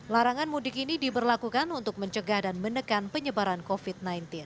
larangan mudik ini diberlakukan untuk mencegah dan menekan penyebaran covid sembilan belas